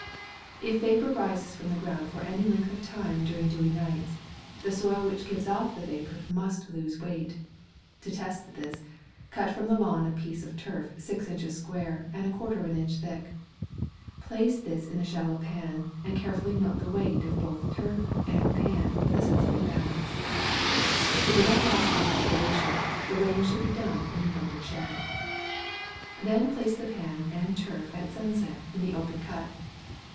If vapour rises from the ground for any length of time during dewy nights, the soil which gives off the vapour must lose weight. To test this, cut from the lawn a piece of turf six inches square and a quarter of an inch thick. Place this in a shallow pan, and carefully note the weight of both turf and pan with the sensitive balance. To prevent loss by evaporation, the weighing should be done in an open shed. Then place the pan and turf at sunset in the open cut.